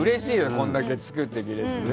こんだけ作ってきてくれて。